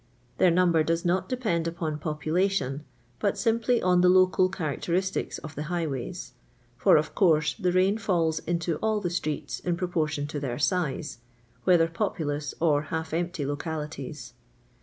Their number docs not depend upon population, but simply on the local characteristics of the highways ; for of course the rain falls into all the streeu in proportion to their size, whether populous or half empty localities.